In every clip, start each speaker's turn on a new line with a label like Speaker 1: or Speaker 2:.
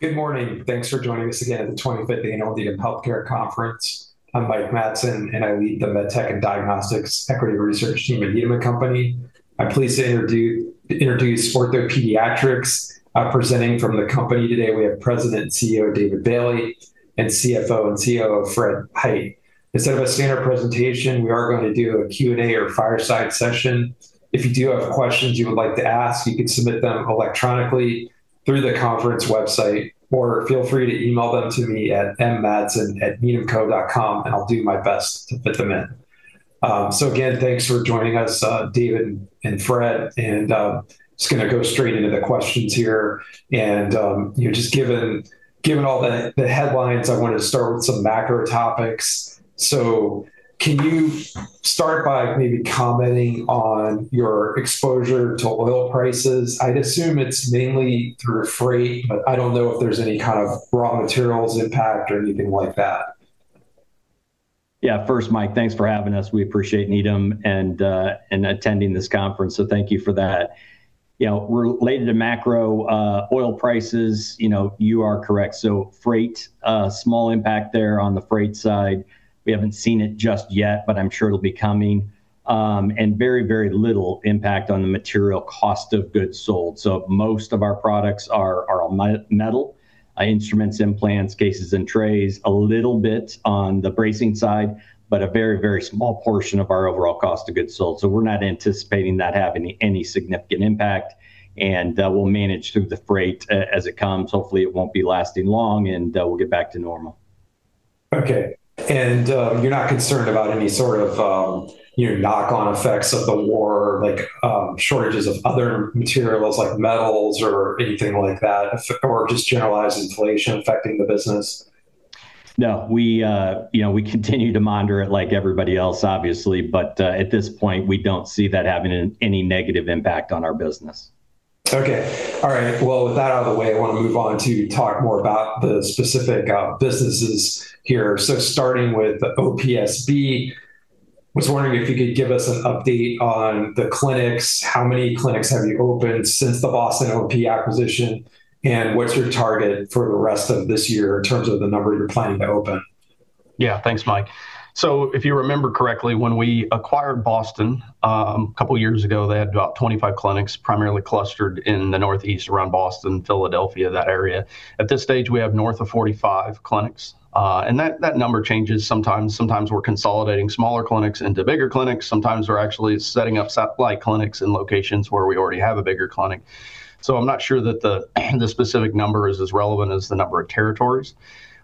Speaker 1: Good morning. Thanks for joining us again at the 25th Annual Needham Healthcare Conference. I'm Mike Matson, and I lead the MedTech and Diagnostics Equity Research team at Needham & Company. I'm pleased to introduce OrthoPediatrics. Presenting from the company today, we have President and CEO, David Bailey, and CFO and COO, Fred Hite. Instead of a standard presentation, we are going to do a Q&A or fireside session. If you do have questions you would like to ask, you can submit them electronically through the conference website, or feel free to email them to me at mmatson@needhamco.com and I'll do my best to fit them in. Again, thanks for joining us, David and Fred. I'm just going to go straight into the questions here. Given all the headlines, I want to start with some macro topics. Can you start by maybe commenting on your exposure to oil prices? I'd assume it's mainly through freight, but I don't know if there's any kind of raw materials impact or anything like that.
Speaker 2: Yeah. First, Mike, thanks for having us. We appreciate Needham and attending this conference, so thank you for that. Related to macro oil prices, you are correct. So freight, a small impact there on the freight side. We haven't seen it just yet, but I'm sure it'll be coming. And very, very little impact on the material cost of goods sold. So most of our products are metal, instruments, implants, cases, and trays. A little bit on the bracing side, but a very, very small portion of our overall cost of goods sold. So we're not anticipating that having any significant impact, and we'll manage through the freight as it comes. Hopefully, it won't be lasting long, and we'll get back to normal.
Speaker 1: Okay. You're not concerned about any sort of knock-on effects of the war, like shortages of other materials like metals or anything like that, or just generalized inflation affecting the business?
Speaker 2: No. We continue to monitor it like everybody else, obviously, but at this point, we don't see that having any negative impact on our business.
Speaker 1: Okay. All right. Well, with that out of the way, I want to move on to talk more about the specific businesses here. Starting with OPSB, I was wondering if you could give us an update on the clinics. How many clinics have you opened since the Boston OP acquisition, and what's your target for the rest of this year in terms of the number you're planning to open?
Speaker 3: Yeah. Thanks, Mike. If you remember correctly, when we acquired Boston a couple of years ago, they had about 25 clinics, primarily clustered in the Northeast around Boston, Philadelphia, that area. At this stage, we have north of 45 clinics. That number changes sometimes. Sometimes we're consolidating smaller clinics into bigger clinics. Sometimes we're actually setting up satellite clinics in locations where we already have a bigger clinic. I'm not sure that the specific number is as relevant as the number of territories.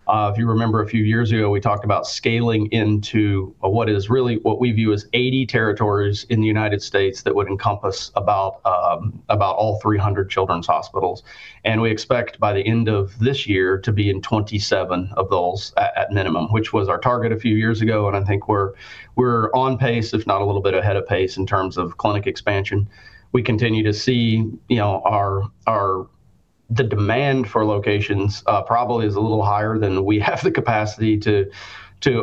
Speaker 3: If you remember a few years ago, we talked about scaling into what we view as 80 territories in the United States that would encompass about all 300 children's hospitals. We expect by the end of this year to be in 27 of those at minimum, which was our target a few years ago. I think we're on pace, if not a little bit ahead of pace in terms of clinic expansion. We continue to see the demand for locations probably is a little higher than we have the capacity to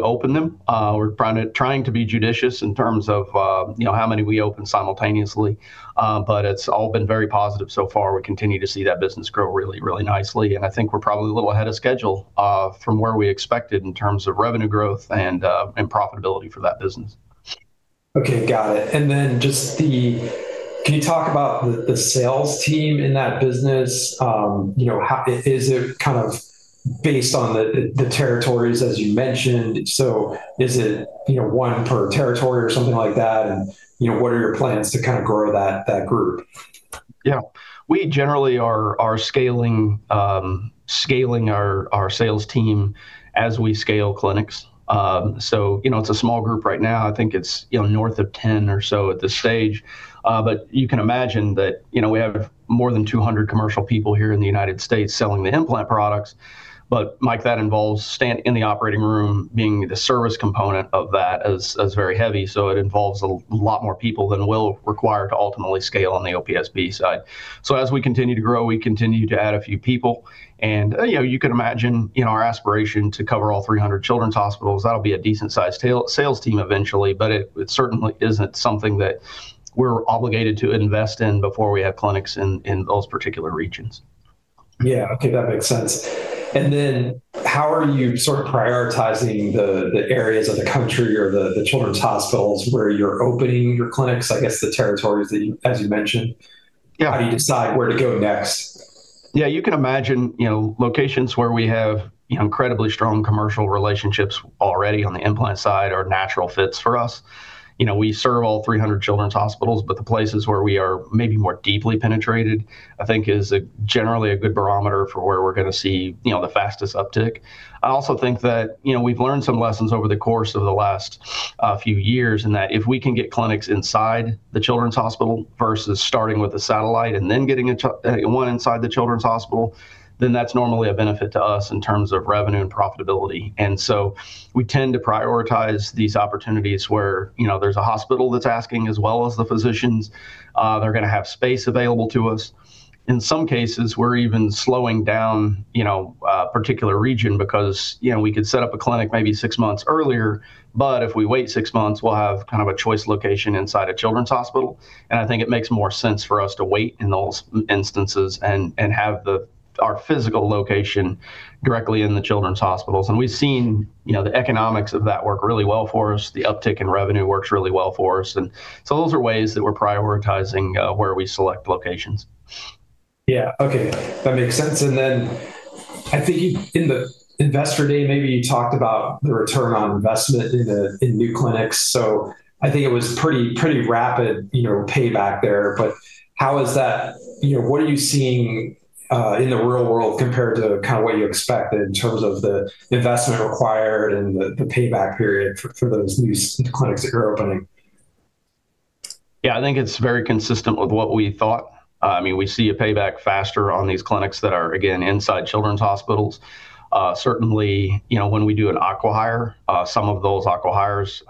Speaker 3: open them. We're trying to be judicious in terms of how many we open simultaneously, but it's all been very positive so far. We continue to see that business grow really nicely, and I think we're probably a little ahead of schedule from where we expected in terms of revenue growth and profitability for that business.
Speaker 1: Okay. Got it. Can you talk about the sales team in that business? Is it kind of based on the territories, as you mentioned? Is it one per territory or something like that? What are your plans to kind of grow that group?
Speaker 3: Yeah. We generally are scaling our sales team as we scale clinics. It's a small group right now. I think it's north of 10 or so at this stage. You can imagine that we have more than 200 commercial people here in the United States selling the implant products. Mike, that involves staying in the operating room. Being the service component of that is very heavy. It involves a lot more people than we'll require to ultimately scale on the OPSB side. As we continue to grow, we continue to add a few people. You could imagine our aspiration to cover all 300 children's hospitals. That'll be a decent sized sales team eventually. It certainly isn't something that we're obligated to invest in before we have clinics in those particular regions.
Speaker 1: Yeah. Okay. That makes sense. How are you sort of prioritizing the areas of the country or the children's hospitals where you're opening your clinics, I guess the territories as you mentioned?
Speaker 3: Yeah.
Speaker 1: How do you decide where to go next?
Speaker 3: Yeah, you can imagine locations where we have incredibly strong commercial relationships already on the implant side are natural fits for us. We serve all 300 children's hospitals, but the places where we are maybe more deeply penetrated, I think, is generally a good barometer for where we're going to see the fastest uptick. I also think that we've learned some lessons over the course of the last few years in that if we can get clinics inside the children's hospital versus starting with a satellite and then getting one inside the children's hospital, then that's normally a benefit to us in terms of revenue and profitability. We tend to prioritize these opportunities where there's a hospital that's asking as well as the physicians, they're going to have space available to us. In some cases, we're even slowing down a particular region because we could set up a clinic maybe six months earlier, but if we wait six months, we'll have kind of a choice location inside a children's hospital. I think it makes more sense for us to wait in those instances and have our physical location directly in the children's hospitals. We've seen the economics of that work really well for us. The uptick in revenue works really well for us. Those are ways that we're prioritizing where we select locations.
Speaker 1: Yeah. Okay. That makes sense. I think in the Investor Day, maybe you talked about the return on investment in new clinics. I think it was pretty rapid payback there. What are you seeing in the real world compared to what you expected in terms of the investment required and the payback period for those new clinics that you're opening?
Speaker 3: Yeah, I think it's very consistent with what we thought. We see a payback faster on these clinics that are, again, inside children's hospitals. Certainly, when we do an acqui-hire, some of those acqui-hires,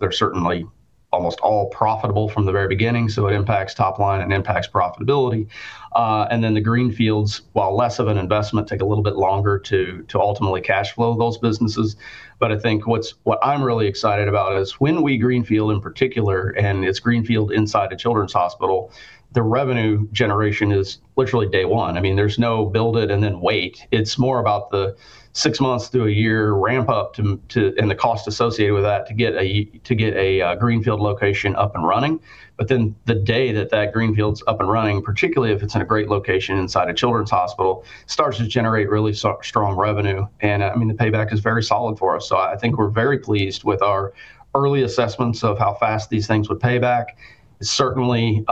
Speaker 3: they're certainly almost all profitable from the very beginning, so it impacts top line and impacts profitability. The greenfields, while less of an investment, take a little bit longer to ultimately cash flow those businesses. I think what I'm really excited about is when we greenfield in particular, and it's greenfield inside a children's hospital, the revenue generation is literally day one. There's no build it and then wait. It's more about the six months to a year ramp up and the cost associated with that to get a greenfield location up and running. The day that greenfield's up and running, particularly if it's in a great location inside a children's hospital, starts to generate really strong revenue. The payback is very solid for us. I think we're very pleased with our early assessments of how fast these things would pay back. Certainly,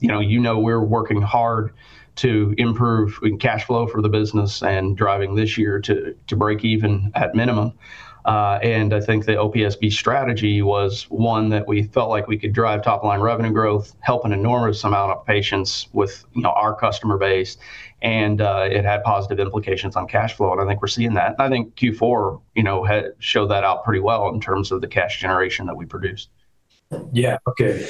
Speaker 3: you know we're working hard to improve cash flow for the business and driving this year to break even at minimum. I think the OPSB strategy was one that we felt like we could drive top-line revenue growth, help an enormous amount of patients with our customer base, and it had positive implications on cash flow, and I think we're seeing that. I think Q4 showed that out pretty well in terms of the cash generation that we produced.
Speaker 1: Yeah. Okay.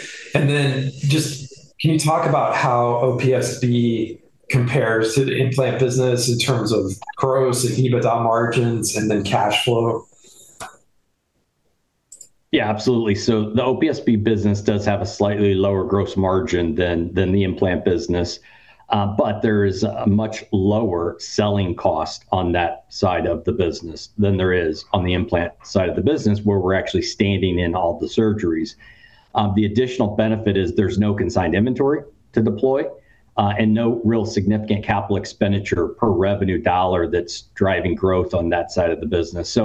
Speaker 1: Can you talk about how OPSB compares to the implant business in terms of gross and EBITDA margins and then cash flow?
Speaker 2: Yeah, absolutely. The OPSB business does have a slightly lower gross margin than the implant business. There is a much lower selling cost on that side of the business than there is on the implant side of the business, where we're actually standing in all the surgeries. The additional benefit is there's no consigned inventory to deploy, and no real significant capital expenditure per revenue dollar that's driving growth on that side of the business.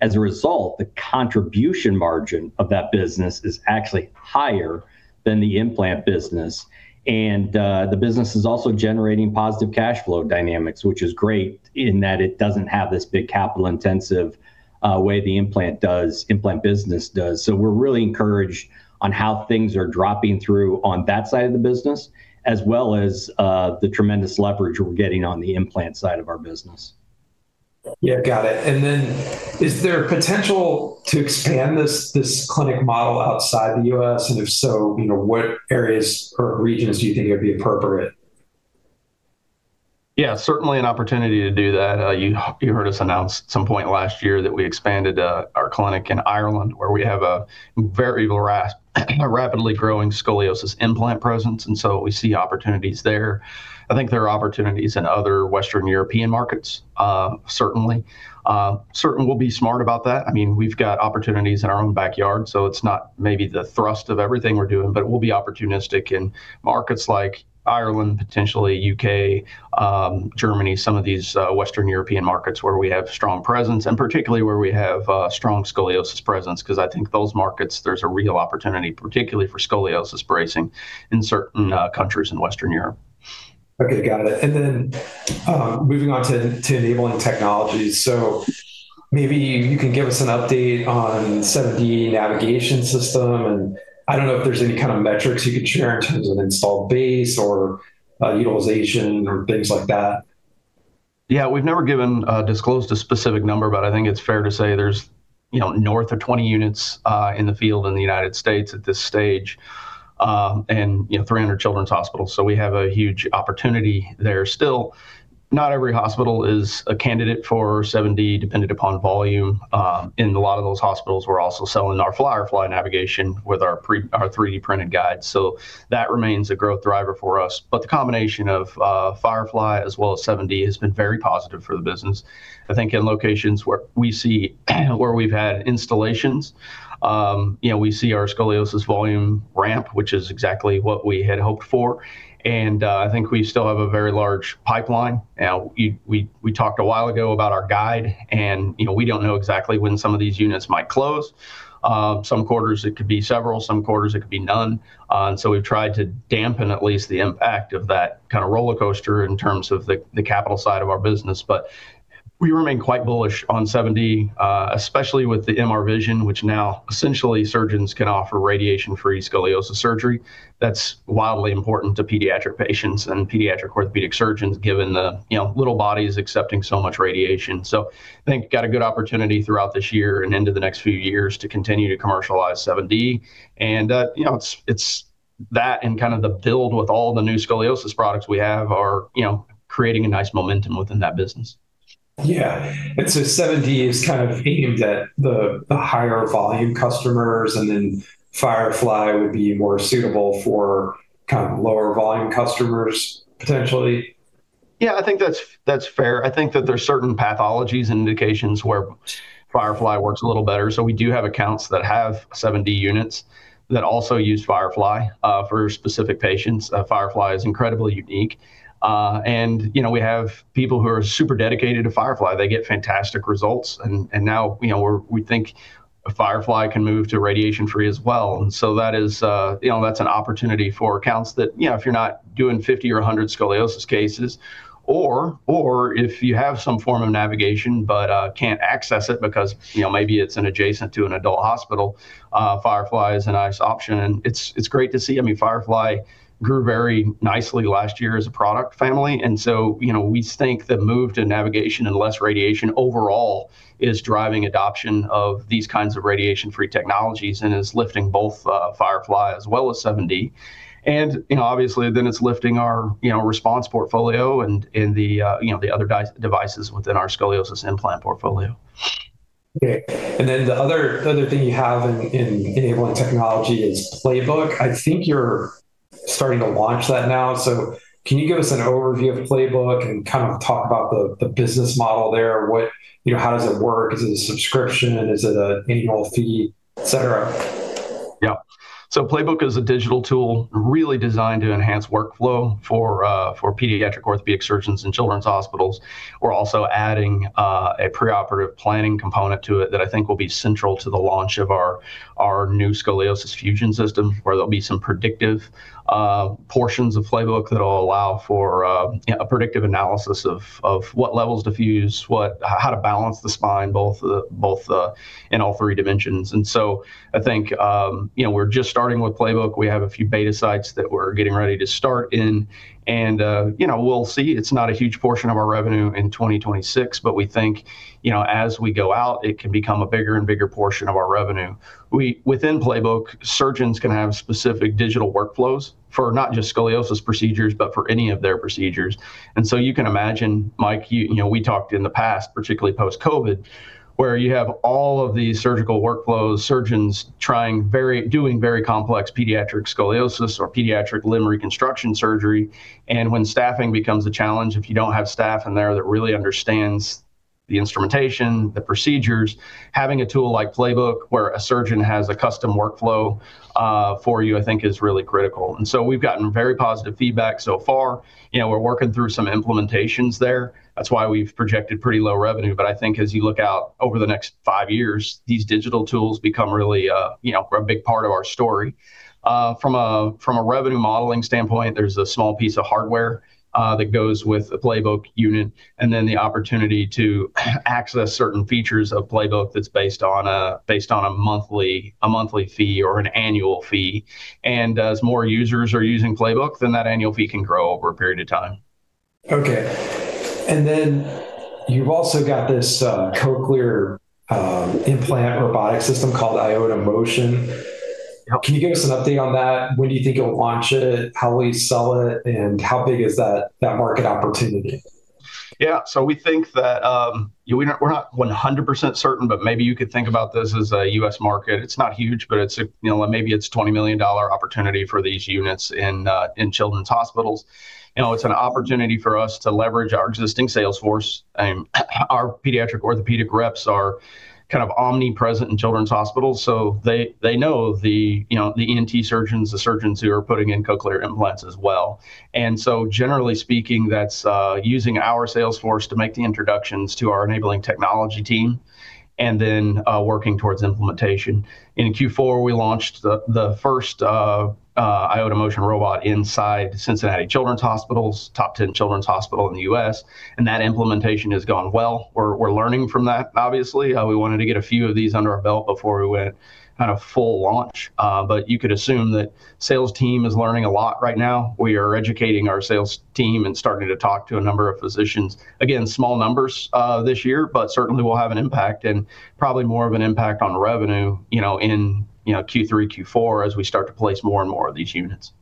Speaker 2: As a result, the contribution margin of that business is actually higher than the implant business. The business is also generating positive cash flow dynamics, which is great in that it doesn't have this big capital-intensive way the implant business does. We're really encouraged on how things are dropping through on that side of the business, as well as the tremendous leverage we're getting on the implant side of our business.
Speaker 1: Yeah, got it. Is there potential to expand this clinic model outside the U.S., and if so, what areas or regions do you think would be appropriate?
Speaker 3: Yeah, certainly an opportunity to do that. You heard us announce at some point last year that we expanded our clinic in Ireland, where we have a very rapidly growing scoliosis implant presence, and so we see opportunities there. I think there are opportunities in other Western European markets, certainly. Certainly, we'll be smart about that. We've got opportunities in our own backyard, so it's not maybe the thrust of everything we're doing, but we'll be opportunistic in markets like Ireland, potentially U.K., Germany, some of these Western European markets where we have a strong presence, and particularly where we have a strong scoliosis presence, because I think those markets, there's a real opportunity, particularly for scoliosis bracing in certain countries in Western Europe.
Speaker 1: Okay. Got it. Moving on to enabling technologies. Maybe you can give us an update on some of the navigation system, and I don't know if there's any kind of metrics you could share in terms of installed base or utilization or things like that.
Speaker 3: Yeah. We've never disclosed a specific number, but I think it's fair to say there's north of 20 units in the field in the United States at this stage, and 300 children's hospitals. We have a huge opportunity there still. Not every hospital is a candidate for 7D, dependent upon volume. In a lot of those hospitals, we're also selling our FIREFLY navigation with our 3D-printed guides. That remains a growth driver for us. The combination of FIREFLY as well as 7D has been very positive for the business. I think in locations where we've had installations, we see our scoliosis volume ramp, which is exactly what we had hoped for. I think we still have a very large pipeline. Now, we talked a while ago about our guide, and we don't know exactly when some of these units might close. Some quarters it could be several, some quarters it could be none. We've tried to dampen at least the impact of that kind of rollercoaster in terms of the capital side of our business. We remain quite bullish on 7D, especially with the MRVision, which now essentially surgeons can offer radiation-free scoliosis surgery. That's wildly important to pediatric patients and pediatric orthopedic surgeons, given the little body is accepting so much radiation. I think we've got a good opportunity throughout this year and into the next few years to continue to commercialize 7D. It's that and kind of the build with all the new scoliosis products we have are creating a nice momentum within that business.
Speaker 1: Yeah. 7D is kind of aimed at the higher volume customers, and then FIREFLY would be more suitable for kind of lower volume customers potentially?
Speaker 3: Yeah, I think that's fair. I think that there's certain pathologies and indications where FIREFLY works a little better. We do have accounts that have 7D units that also use FIREFLY for specific patients. FIREFLY is incredibly unique. We have people who are super dedicated to FIREFLY. They get fantastic results, and now we think FIREFLY can move to radiation-free as well. That's an opportunity for accounts that if you're not doing 50 or 100 scoliosis cases or if you have some form of navigation, but can't access it because maybe it's an adjacent to an adult hospital, FIREFLY is a nice option, and it's great to see. FIREFLY grew very nicely last year as a product family. We think the move to navigation and less radiation overall is driving adoption of these kinds of radiation-free technologies and is lifting both FIREFLY as well as 7D. Obviously then it's lifting our RESPONSE portfolio and the other devices within our scoliosis implant portfolio.
Speaker 1: Okay. The other thing you have in enabling technology is Playbook. I think you're starting to launch that now. Can you give us an overview of Playbook and kind of talk about the business model there? How does it work? Is it a subscription? Is it an annual fee, etc?
Speaker 3: Yeah. Playbook is a digital tool really designed to enhance workflow for pediatric orthopedic surgeons in children's hospitals. We're also adding a preoperative planning component to it that I think will be central to the launch of our new scoliosis fusion system, where there'll be some predictive portions of Playbook that'll allow for a predictive analysis of what levels to fuse, how to balance the spine, both in all three dimensions. I think we're just starting with Playbook. We have a few beta sites that we're getting ready to start in and we'll see. It's not a huge portion of our revenue in 2026, but we think, as we go out, it can become a bigger and bigger portion of our revenue. Within Playbook, surgeons can have specific digital workflows for not just scoliosis procedures, but for any of their procedures. You can imagine, Mike, we talked in the past, particularly post-COVID, where you have all of these surgical workflows, surgeons doing very complex pediatric scoliosis or pediatric limb reconstruction surgery, and when staffing becomes a challenge, if you don't have staff in there that really understands the instrumentation, the procedures, having a tool like Playbook where a surgeon has a custom workflow for you, I think is really critical. We've gotten very positive feedback so far. We're working through some implementations there. That's why we've projected pretty low revenue. I think as you look out over the next five years, these digital tools become really a big part of our story. From a revenue modeling standpoint, there's a small piece of hardware that goes with the Playbook unit, and then the opportunity to access certain features of Playbook that's based on a monthly fee or an annual fee. As more users are using Playbook, then that annual fee can grow over a period of time.
Speaker 1: Okay. You've also got this cochlear implant robotic system called iotaMotion. Can you give us an update on that? When do you think you'll launch it? How will you sell it, and how big is that market opportunity?
Speaker 3: Yeah. We think that, we're not 100% certain, but maybe you could think about this as a U.S. market. It's not huge, but maybe it's $20 million opportunity for these units in children's hospitals. It's an opportunity for us to leverage our existing sales force. Our pediatric orthopedic reps are kind of omnipresent in children's hospitals, so they know the ENT surgeons, the surgeons who are putting in cochlear implants as well. Generally speaking, that's using our sales force to make the introductions to our enabling technology team and then working towards implementation. In Q4, we launched the first iotaMotion robot inside Cincinnati Children's Hospitals, top 10 children's hospital in the U.S., and that implementation has gone well. We're learning from that, obviously. We wanted to get a few of these under our belt before we went kind of full launch. You could assume that sales team is learning a lot right now. We are educating our sales team and starting to talk to a number of physicians. Again, small numbers this year, but certainly will have an impact and probably more of an impact on revenue in Q3, Q4, as we start to place more and more of these units.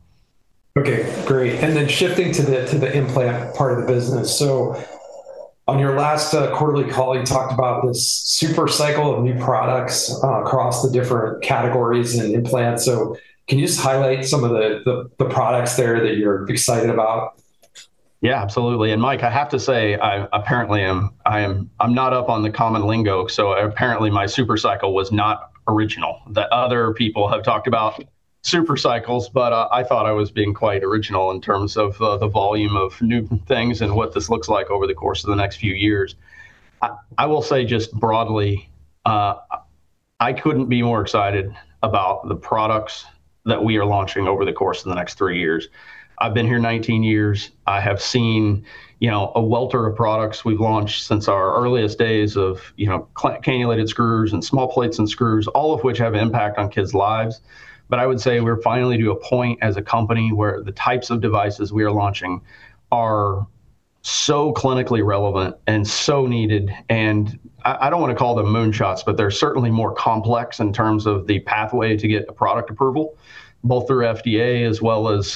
Speaker 1: Okay. Great. Shifting to the implant part of the business, on your last quarterly call, you talked about this super cycle of new products across the different categories and implants. Can you just highlight some of the products there that you're excited about?
Speaker 3: Yeah, absolutely. Mike, I have to say, I'm not up on the common lingo, so apparently my super cycle was not original, that other people have talked about super cycles, but I thought I was being quite original in terms of the volume of new things and what this looks like over the course of the next few years. I will say just broadly, I couldn't be more excited about the products that we are launching over the course of the next three years. I've been here 19 years. I have seen a welter of products we've launched since our earliest days of Cannulated Screws and small plates and screws, all of which have impact on kids' lives. I would say we're finally to a point as a company where the types of devices we are launching are so clinically relevant and so needed, and I don't want to call them moonshots, but they're certainly more complex in terms of the pathway to get a product approval, both through FDA as well as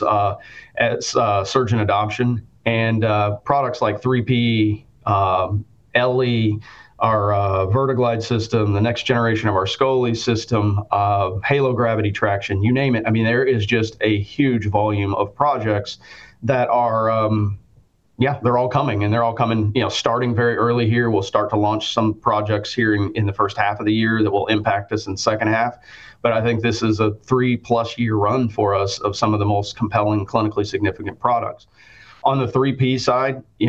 Speaker 3: surgeon adoption and products like 3P, eLLi, our VerteGlide system, the next generation of our Scoli system, Halo-Gravity Traction, you name it. There is just a huge volume of projects. Yeah, they're all coming starting very early here. We'll start to launch some projects here in the first half of the year that will impact us in second half. I think this is a 3+ year run for us of some of the most compelling, clinically significant products. On the 3P side, we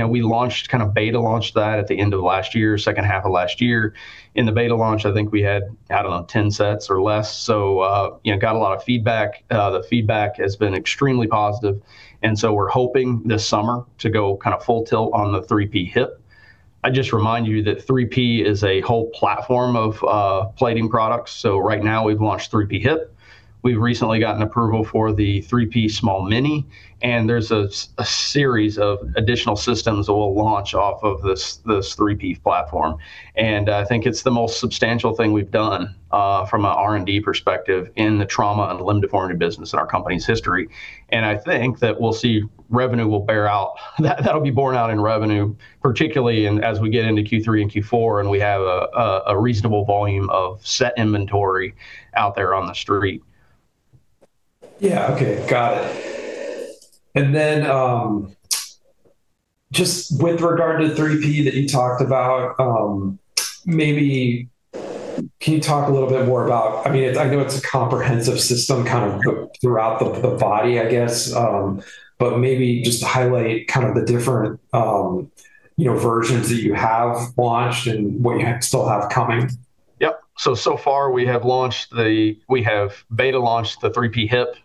Speaker 3: beta launched that at the end of last year, second half of last year. In the beta launch, I think we had, I don't know, 10 sets or less, so got a lot of feedback. The feedback has been extremely positive, and so we're hoping this summer to go kind of full tilt on the 3P Hip. I'd just remind you that 3P is a whole platform of plating products. Right now we've launched 3P Hip. We've recently gotten approval for the 3P Small-Mini, and there's a series of additional systems that we'll launch off of this 3P platform. I think it's the most substantial thing we've done, from a R&D perspective, in the trauma and limb deformity business in our company's history. I think that we'll see that'll be borne out in revenue, particularly as we get into Q3 and Q4 and we have a reasonable volume of set inventory out there on the street.
Speaker 1: Yeah, okay. Got it. Just with regard to 3P that you talked about, I know it's a comprehensive system kind of throughout the body, I guess. Maybe just highlight kind of the different versions that you have launched and what you still have coming.
Speaker 3: Yep. So far, we have beta launched the 3P Hip.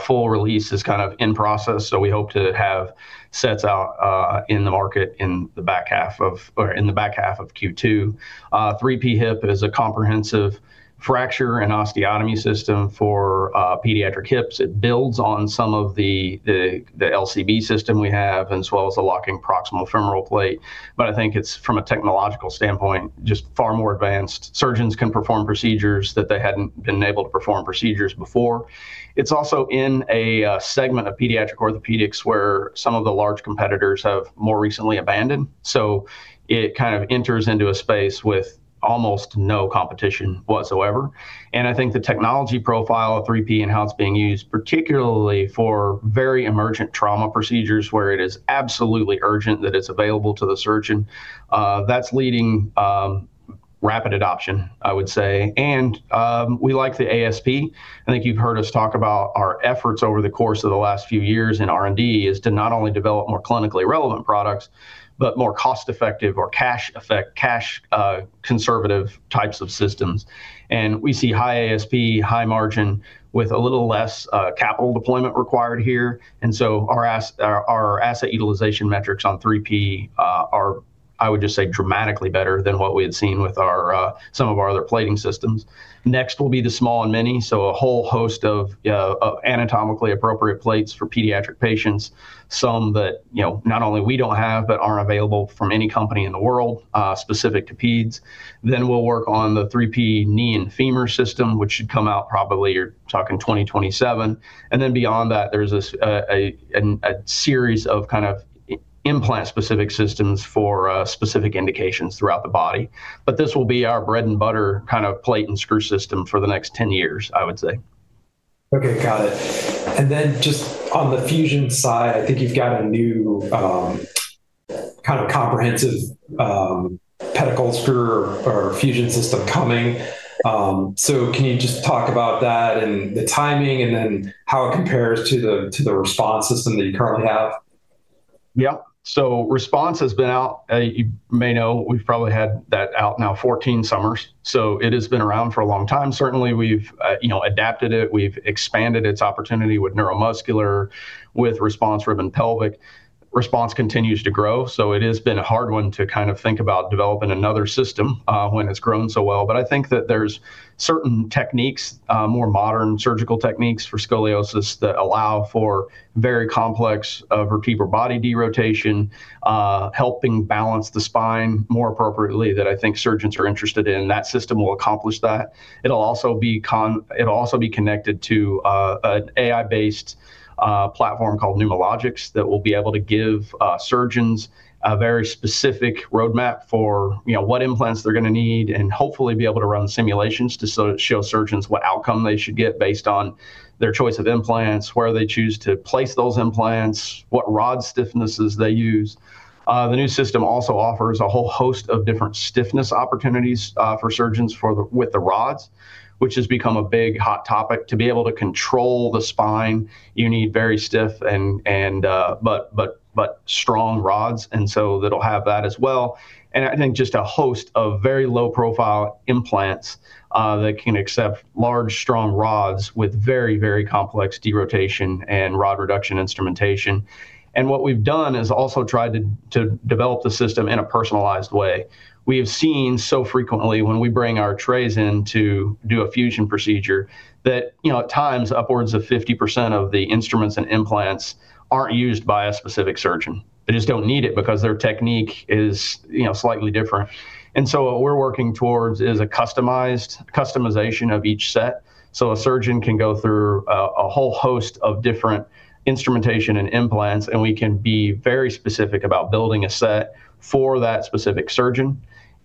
Speaker 3: Full release is kind of in process, so we hope to have sets out in the market in the back half of Q2. 3P Hip is a comprehensive fracture and osteotomy system for pediatric hips. It builds on some of the LCB system we have, as well as the Locking Proximal Femur plate. I think it's, from a technological standpoint, just far more advanced. Surgeons can perform procedures that they hadn't been able to perform procedures before. It's also in a segment of pediatric orthopedics where some of the large competitors have more recently abandoned. It kind of enters into a space with almost no competition whatsoever. I think the technology profile of 3P and how it's being used, particularly for very emergent trauma procedures where it is absolutely urgent that it's available to the surgeon, that's leading rapid adoption, I would say. We like the ASP. I think you've heard us talk about our efforts over the course of the last few years in R&D is to not only develop more clinically relevant products, but more cost-effective or cash-conservative types of systems. We see high ASP, high margin with a little less capital deployment required here. Our asset utilization metrics on 3P are, I would just say, dramatically better than what we had seen with some of our other plating systems. Next will be the Small and Mini, so a whole host of anatomically appropriate plates for pediatric patients, some that not only we don't have but aren't available from any company in the world, specific to peds. We'll work on the 3P knee and femur system, which should come out probably, you're talking 2027. Beyond that, there's a series of kind of implant specific systems for specific indications throughout the body. This will be our bread and butter kind of plate and screw system for the next 10 years, I would say.
Speaker 1: Okay. Got it. Just on the fusion side, I think you've got a new kind of comprehensive pedicle screw or fusion system coming. Can you just talk about that and the timing and then how it compares to the RESPONSE system that you currently have?
Speaker 3: Yeah. RESPONSE has been out, you may know, we've probably had that out now 14 summers, so it has been around for a long time. Certainly, we've adapted it. We've expanded its opportunity with neuromuscular, with RESPONSE Rib and Pelvic. RESPONSE continues to grow, so it has been a hard one to kind of think about developing another system when it's grown so well. I think that there's certain techniques, more modern surgical techniques for scoliosis that allow for very complex vertebral body derotation, helping balance the spine more appropriately that I think surgeons are interested in. That system will accomplish that. It'll also be connected to an AI-based platform called 7D that will be able to give surgeons a very specific roadmap for what implants they're going to need and hopefully be able to run simulations to show surgeons what outcome they should get based on their choice of implants, where they choose to place those implants, what rod stiffnesses they use. The new system also offers a whole host of different stiffness opportunities for surgeons with the rods, which has become a big hot topic. To be able to control the spine, you need very stiff but strong rods, and so that'll have that as well. I think just a host of very low profile implants that can accept large, strong rods with very, very complex derotation and rod reduction instrumentation. What we've done is also tried to develop the system in a personalized way. We have seen so frequently when we bring our trays in to do a fusion procedure that at times upwards of 50% of the instruments and implants aren't used by a specific surgeon. They just don't need it because their technique is slightly different. What we're working towards is a customization of each set, so a surgeon can go through a whole host of different instrumentation and implants, and we can be very specific about building a set for that specific surgeon.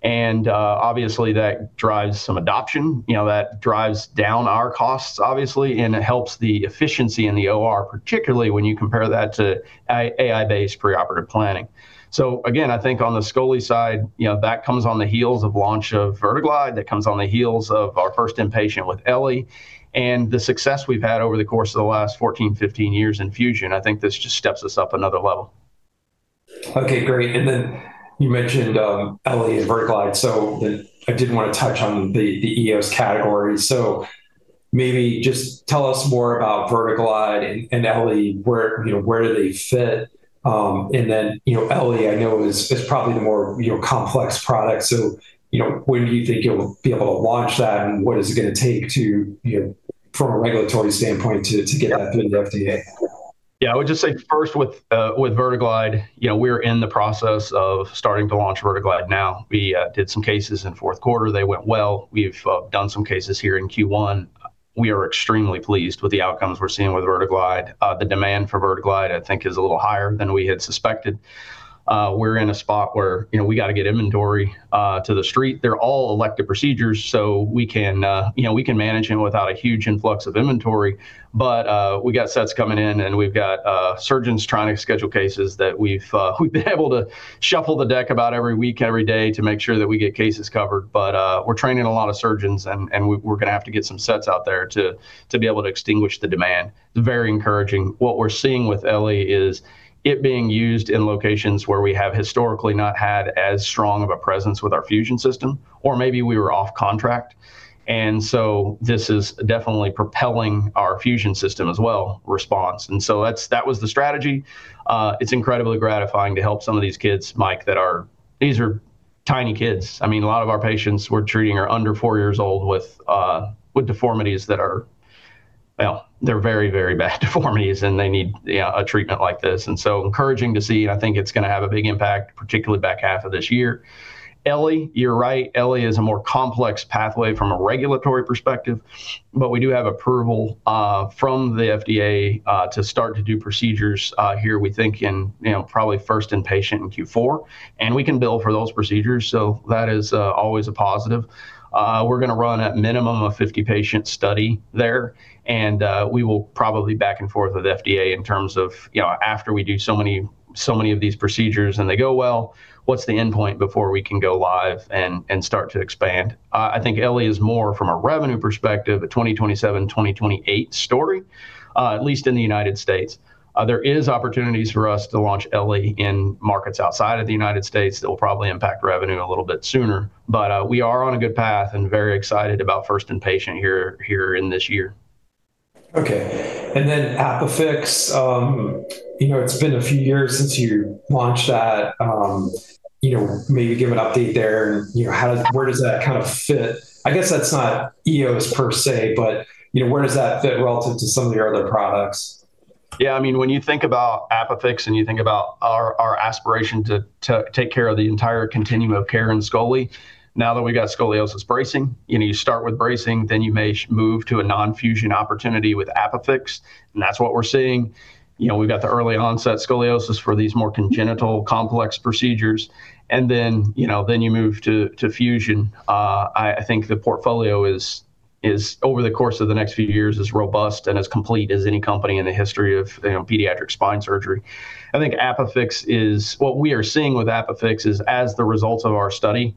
Speaker 3: Obviously that drives some adoption, that drives down our costs obviously, and it helps the efficiency in the OR, particularly when you compare that to AI-based preoperative planning. Again, I think on the Scoli side, that comes on the heels of launch of VerteGlide, that comes on the heels of our first inpatient with eLLi. The success we've had over the course of the last 14-15 years in fusion, I think this just steps us up another level.
Speaker 1: Okay, great. You mentioned eLLi and VerteGlide. I did want to touch on the EOS category. Maybe just tell us more about VerteGlide and eLLi, where do they fit? eLLi, I know is probably the more complex product. When do you think you'll be able to launch that, and what is it going to take from a regulatory standpoint to get that through the FDA?
Speaker 3: Yeah. I would just say first with VerteGlide, we're in the process of starting to launch VerteGlide now. We did some cases in fourth quarter. They went well. We've done some cases here in Q1. We are extremely pleased with the outcomes we're seeing with VerteGlide. The demand for VerteGlide, I think is a little higher than we had suspected. We're in a spot where we got to get inventory to the street. They're all elective procedures, so we can manage them without a huge influx of inventory. We got sets coming in, and we've got surgeons trying to schedule cases that we've been able to shuffle the deck about every week, every day to make sure that we get cases covered. We're training a lot of surgeons, and we're going to have to get some sets out there to be able to extinguish the demand. It's very encouraging. What we're seeing with eLLi is it being used in locations where we have historically not had as strong of a presence with our fusion system, or maybe we were off contract. This is definitely propelling our fusion system as well, RESPONSE. That was the strategy. It's incredibly gratifying to help some of these kids, Mike. These are tiny kids. I mean, a lot of our patients we're treating are under four years old with, well, they're very bad deformities, and they need a treatment like this. Encouraging to see, and I think it's going to have a big impact, particularly back half of this year, eLLi, you're right. eLLi is a more complex pathway from a regulatory perspective, but we do have approval from the FDA to start to do procedures here. We think in probably first in-patient in Q4, and we can bill for those procedures, so that is always a positive. We're going to run a minimum of 50-patient study there, and we will probably back and forth with FDA in terms of after we do so many of these procedures and they go well, what's the endpoint before we can go live and start to expand? I think eLLi is more from a revenue perspective, a 2027-2028 story, at least in the United States. There is opportunities for us to launch eLLi in markets outside of the United States that will probably impact revenue a little bit sooner. We are on a good path and very excited about first inpatient here in this year.
Speaker 1: Okay. ApiFix. It's been a few years since you launched that. Maybe give an update there and where does that kind of fit? I guess that's not EOS per se, but where does that fit relative to some of your other products?
Speaker 3: Yeah. I mean, when you think about ApiFix and you think about our aspiration to take care of the entire continuum of care in Scoli. Now that we got scoliosis bracing, you start with bracing, then you may move to a non-fusion opportunity with ApiFix, and that's what we're seeing. We've got the Early Onset Scoliosis for these more congenital complex procedures, and then you move to fusion. I think the portfolio is, over the course of the next few years, as robust and as complete as any company in the history of pediatric spine surgery. I think ApiFix is-- what we are seeing with ApiFix is as the results of our study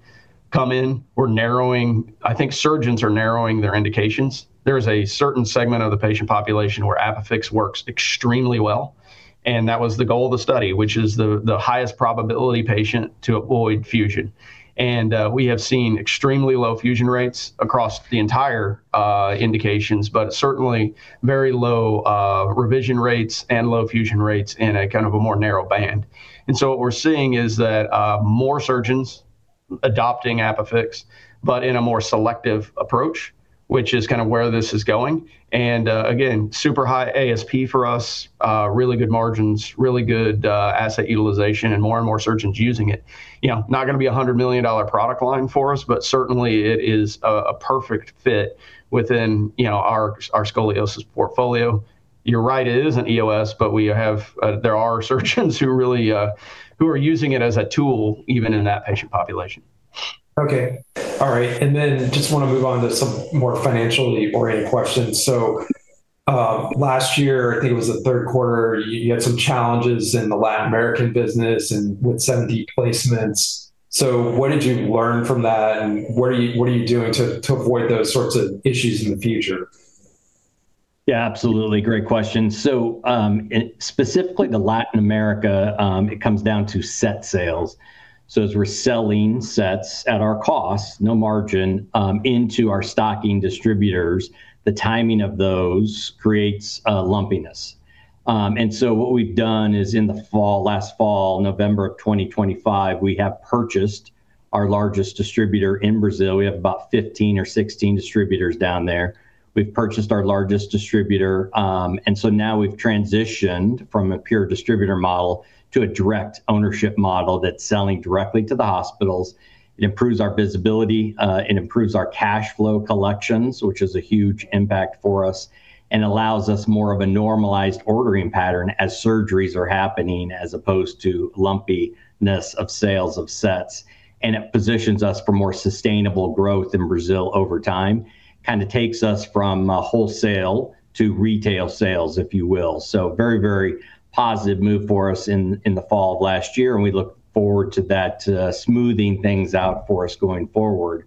Speaker 3: come in, I think surgeons are narrowing their indications. There is a certain segment of the patient population where ApiFix works extremely well, and that was the goal of the study, which is the highest probability patient to avoid fusion. We have seen extremely low fusion rates across the entire indications, but certainly very low revision rates and low fusion rates in a kind of a more narrow band. What we're seeing is that more surgeons adopting ApiFix, but in a more selective approach, which is kind of where this is going. Again, super high ASP for us, really good margins, really good asset utilization, and more and more surgeons using it. Not going to be $100 million product line for us, but certainly it is a perfect fit within our scoliosis portfolio. You're right, it isn't EOS, but there are surgeons who are using it as a tool even in that patient population.
Speaker 1: Okay. All right. Just want to move on to some more financially oriented questions. Last year, I think it was the third quarter, you had some challenges in the Latin American business and with some replacements. What did you learn from that, and what are you doing to avoid those sorts of issues in the future?
Speaker 2: Yeah, absolutely. Great question. Specifically the Latin America, it comes down to set sales. As we're selling sets at our cost, no margin, into our stocking distributors, the timing of those creates a lumpiness. What we've done is in the fall, last fall, November of 2025, we have purchased Our largest distributor in Brazil, we have about 15 or 16 distributors down there. We've purchased our largest distributor, and so now we've transitioned from a pure distributor model to a direct ownership model that's selling directly to the hospitals. It improves our visibility, it improves our cash flow collections, which is a huge impact for us, and allows us more of a normalized ordering pattern as surgeries are happening, as opposed to lumpiness of sales of sets. It positions us for more sustainable growth in Brazil over time, kind of takes us from wholesale to retail sales, if you will. Very positive move for us in the fall of last year, and we look forward to that smoothing things out for us going forward.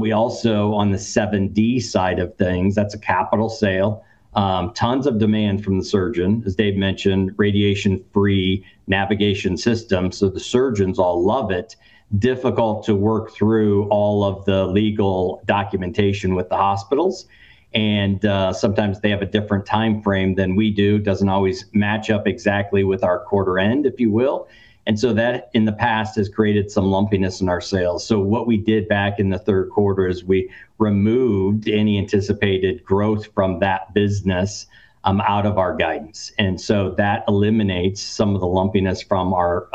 Speaker 2: We also, on the 7D side of things, that's a capital sale, tons of demand from the surgeon. As Dave mentioned, radiation-free navigation system, so the surgeons all love it. Difficult to work through all of the legal documentation with the hospitals. Sometimes they have a different timeframe than we do. Doesn't always match up exactly with our quarter end, if you will. That, in the past, has created some lumpiness in our sales. What we did back in the third quarter is we removed any anticipated growth from that business out of our guidance. That eliminates some of the lumpiness from our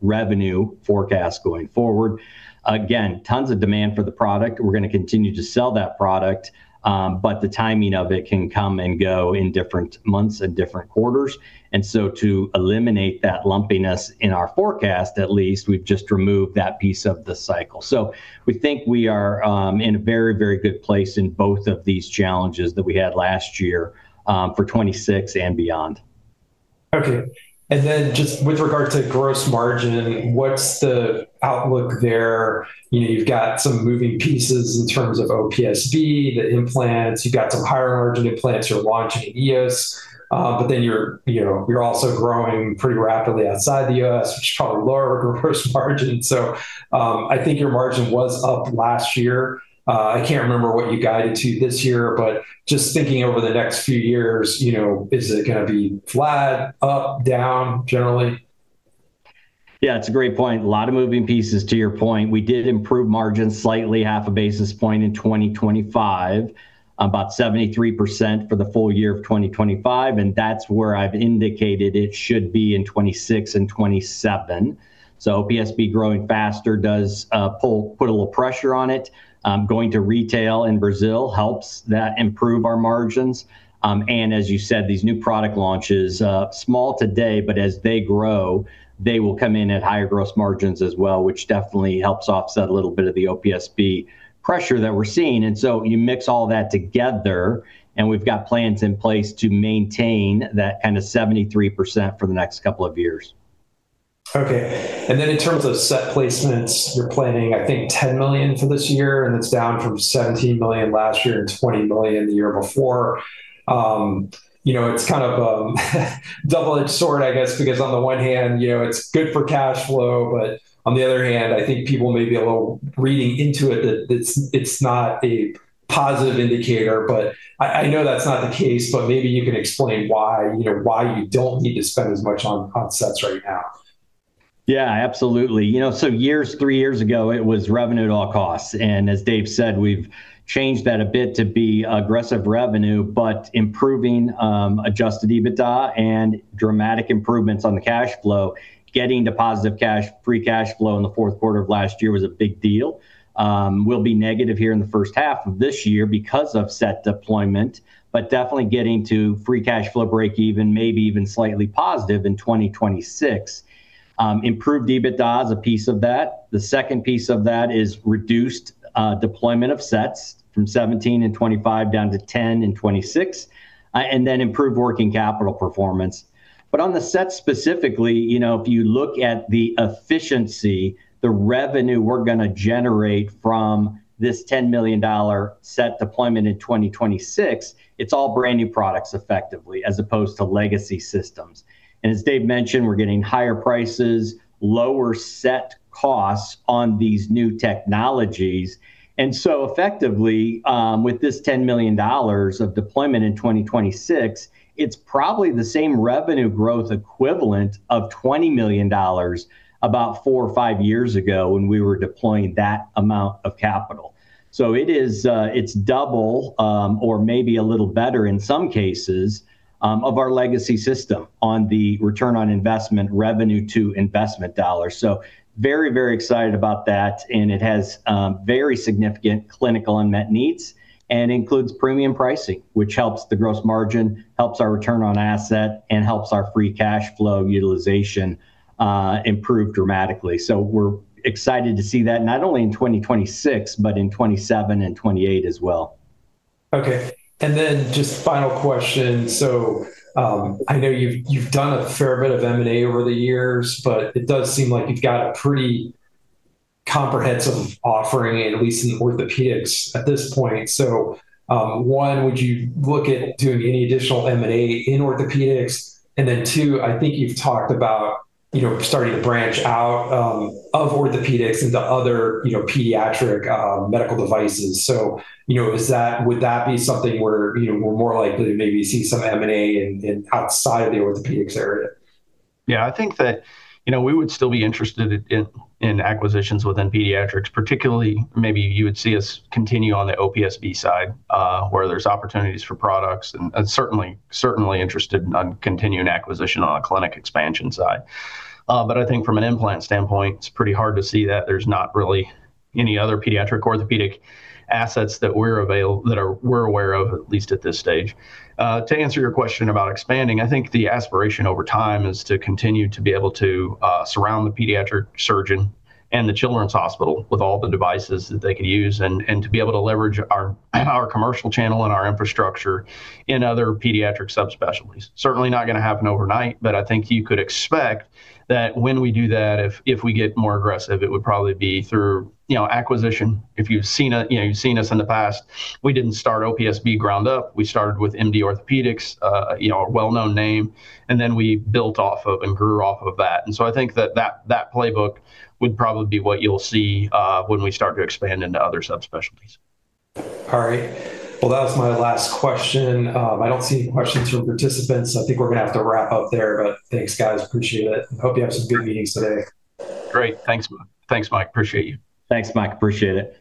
Speaker 2: revenue forecast going forward. Again, tons of demand for the product. We're going to continue to sell that product, but the timing of it can come and go in different months and different quarters. To eliminate that lumpiness in our forecast, at least, we've just removed that piece of the cycle. We think we are in a very good place in both of these challenges that we had last year, for 2026 and beyond.
Speaker 1: Okay. Just with regard to gross margin, what's the outlook there? You've got some moving pieces in terms of OPSB, the implants, you've got some higher margin implants. You're launching EOS. You're also growing pretty rapidly outside the U.S., which is probably lower gross margin. I think your margin was up last year. I can't remember what you guided to this year, but just thinking over the next few years, is it going to be flat, up, down generally?
Speaker 2: Yeah, it's a great point. A lot of moving pieces, to your point. We did improve margins slightly, half a basis point in 2025, about 73% for the full year of 2025, and that's where I've indicated it should be in 2026 and 2027. OPSB growing faster does put a little pressure on it. Going to retail in Brazil helps that improve our margins. As you said, these new product launches, small today, but as they grow, they will come in at higher gross margins as well, which definitely helps offset a little bit of the OPSB pressure that we're seeing. You mix all that together, and we've got plans in place to maintain that kind of 73% for the next couple of years.
Speaker 1: Okay. In terms of set placements, you're planning, I think, $10 million for this year, and it's down from $17 million last year and $20 million the year before. It's kind of a double-edged sword, I guess, because on the one hand, it's good for cash flow, but on the other hand, I think people may be a little reading into it that it's not a positive indicator. I know that's not the case, but maybe you can explain why you don't need to spend as much on sets right now?
Speaker 2: Yeah, absolutely. Three years ago, it was revenue at all costs, and as Dave said, we've changed that a bit to be aggressive revenue, but improving Adjusted EBITDA and dramatic improvements on the cash flow. Getting to positive cash, free cash flow in the fourth quarter of last year was a big deal. We'll be negative here in the first half of this year because of set deployment, but definitely getting to free cash flow breakeven, maybe even slightly positive in 2026. Improved EBITDA is a piece of that. The second piece of that is reduced deployment of sets from $17 in 2025 down to $10 in 2026, and then improved working capital performance. On the sets specifically, if you look at the efficiency, the revenue we're going to generate from this $10 million set deployment in 2026, it's all brand-new products, effectively, as opposed to legacy systems. As Dave mentioned, we're getting higher prices, lower set costs on these new technologies. Effectively, with this $10 million of deployment in 2026, it's probably the same revenue growth equivalent of $20 million about four or five years ago when we were deploying that amount of capital. It's double, or maybe a little better in some cases, of our legacy system on the return on investment revenue to investment dollars. Very excited about that, and it has very significant clinical unmet needs and includes premium pricing, which helps the gross margin, helps our return on asset, and helps our free cash flow utilization improve dramatically. We're excited to see that not only in 2026, but in 2027 and 2028 as well.
Speaker 1: Okay, just final question. I know you've done a fair bit of M&A over the years, but it does seem like you've got a pretty comprehensive offering, at least in orthopedics at this point. One, would you look at doing any additional M&A in orthopedics? Two, I think you've talked about starting to branch out of orthopedics into other pediatric medical devices. Would that be something where we're more likely to maybe see some M&A outside of the orthopedics area?
Speaker 3: Yeah, I think that we would still be interested in acquisitions within pediatrics, particularly maybe you would see us continue on the OPSB side, where there's opportunities for products, and certainly interested on continuing acquisition on the clinic expansion side. I think from an implant standpoint, it's pretty hard to see that. There's not really any other pediatric orthopedic assets that we're aware of, at least at this stage. To answer your question about expanding, I think the aspiration over time is to continue to be able to surround the pediatric surgeon and the children's hospital with all the devices that they could use, and to be able to leverage our commercial channel and our infrastructure in other pediatric subspecialties. Certainly not going to happen overnight, but I think you could expect that when we do that, if we get more aggressive, it would probably be through acquisition. If you've seen us in the past, we didn't start OPSB ground up. We started with MD Orthopaedics, a well-known name, and then we built off of and grew off of that. I think that playbook would probably be what you'll see when we start to expand into other subspecialties.
Speaker 1: All right. Well, that was my last question. I don't see any questions from participants. I think we're going to have to wrap up there. Thanks, guys. Appreciate it. Hope you have some good meetings today.
Speaker 3: Great. Thanks, Mike. I appreciate you.
Speaker 2: Thanks, Mike. Appreciate it.